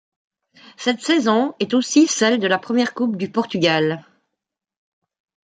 Cette saison est aussi celle de la première coupe du Portugal.